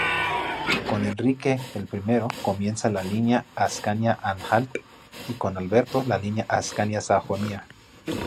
Con Enrique I comienza la línea "Ascania-Anhalt" y con Alberto, la línea "Ascania-Sajonia".